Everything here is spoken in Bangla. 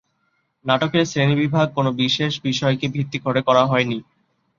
নাটকের শ্রেণীবিভাগ কোনো বিশেষ বিষয়কে ভিত্তি করে করা হয়নি।